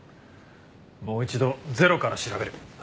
もう一度ゼロから調べる！